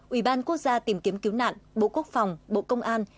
ủy ban quốc gia tìm kiếm cứu nạn bộ quốc phòng bộ công an